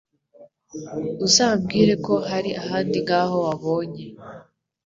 Uzambwire ko hari ahandi nkaho wabonye.